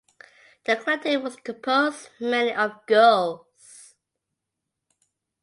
The collective was composed mainly of girls.